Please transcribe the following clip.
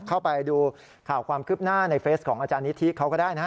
เข้าไปดูข่าวความคืบหน้าในเฟสของอาจารย์นิธิเขาก็ได้นะฮะ